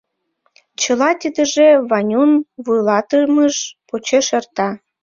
Чыла тидыже Ванюн вуйлатымыж почеш эрта.